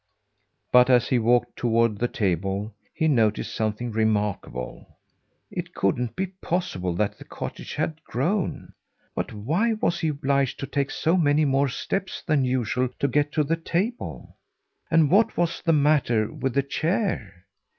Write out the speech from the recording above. But as he walked toward the table, he noticed something remarkable. It couldn't be possible that the cottage had grown. But why was he obliged to take so many more steps than usual to get to the table? And what was the matter with the chair?